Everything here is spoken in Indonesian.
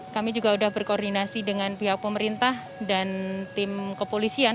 kami juga sudah berkoordinasi dengan pihak pemerintah dan tim kepolisian